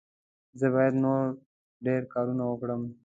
زه باید نور ډېر کارونه وکړم.